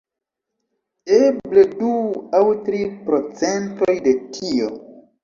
Eble du aŭ tri procentoj de tio.